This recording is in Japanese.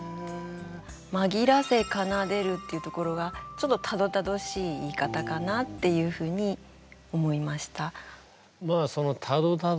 「まぎらせ奏でる」っていうところがちょっとたどたどしい言い方かなっていうふうに思いました。